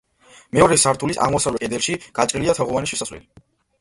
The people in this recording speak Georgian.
მეორე სართულის აღმოსავლეთ კედელში გაჭრილია თაღოვანი შესასვლელი.